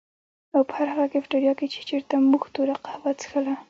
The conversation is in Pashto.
او په هر هغه کيفېټيريا کي چيرته چي مونږ توره کهوه څښله